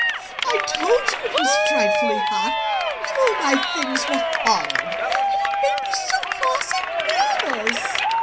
"I told you it was frightfully hot and all my things were horrid; and it made me so cross and nervous!"